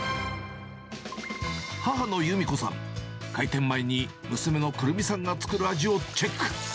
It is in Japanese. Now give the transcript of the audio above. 母のゆみ子さん、開店前に娘のくるみさんが作る味をチェック。